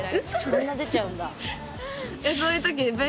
そんな出ちゃうんだ。